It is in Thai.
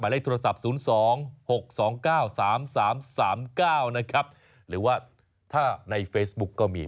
เลขโทรศัพท์๐๒๖๒๙๓๓๙นะครับหรือว่าถ้าในเฟซบุ๊กก็มี